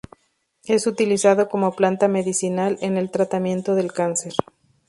Es utilizado como planta medicinal en el tratamiento del cáncer.